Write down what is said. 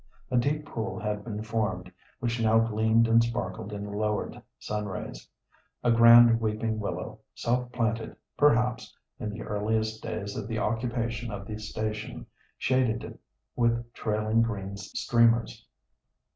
A deep pool had been formed, which now gleamed and sparkled in the lowered sun rays. A grand weeping willow, self planted, perhaps, in the earliest days of the occupation of the station, shaded it with trailing green streamers.